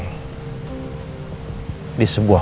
ini bukan berboleh